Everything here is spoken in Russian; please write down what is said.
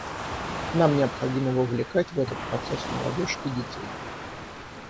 Нам необходимо вовлекать в этот процесс молодежь и детей.